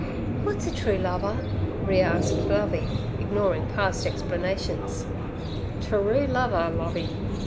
'W'at's a true lover' re asked Lovey, ignoring past explanations. 'Terue lover, Lovey.